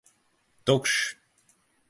Tukšs!